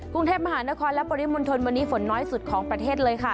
กรุงเทพมหานครและปริมณฑลวันนี้ฝนน้อยสุดของประเทศเลยค่ะ